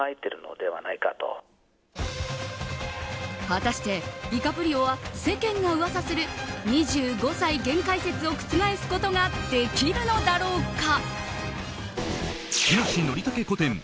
果たしてディカプリオは世間が噂する２５歳限界説を覆すことができるのだろうか？